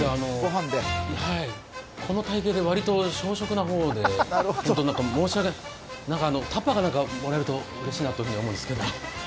この体型で割と小食な方で申し訳ないんですが何かタッパーか何かもらえるとうれしいなと思うんですけれども。